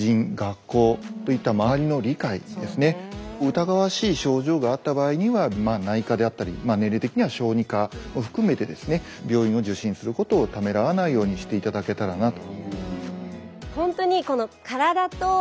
疑わしい症状があった場合には内科であったり年齢的には小児科を含めてですね病院を受診することをためらわないようにしていただけたらなと。